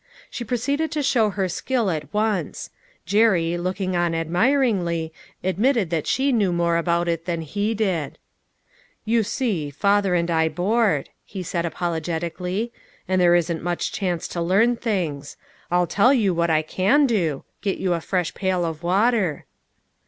She proceeded to show her skill at once ; Jerry, looking on admiringly, admitted that she knew more about it than he did. " You see, father and I board," he said apolo 90 LITTLE FISHERS : AND THEIR NETS. getically, " and there isn't much chance to learn things. I'll tell you what I can do get you a fresh pail of water."